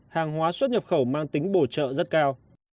hàng hóa xuất nhập khẩu mang tính bổ trợ rất cao